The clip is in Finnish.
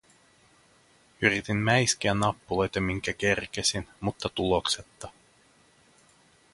Yritin mäiskiä nappuloita, minkä kerkesin, mutta tuloksetta.